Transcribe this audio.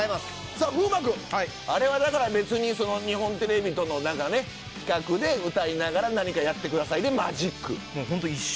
さぁ風磨君あれは別に日本テレビとの企画で歌いながら何かやってくださいでマジック。